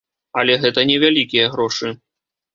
Але гэта невялікія грошы.